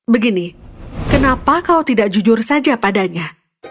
begini kenapa kau tidak jujur saja padanya